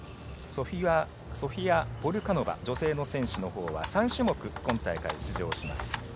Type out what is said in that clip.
ソフィア・ポルカノバ女性の選手のほうは３種目に今大会出場します。